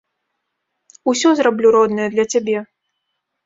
Усё зраблю, родная, для цябе.